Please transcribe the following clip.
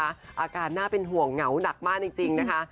อาการน่าเป็นห่วงเหงาหนักมากจริงนะคะ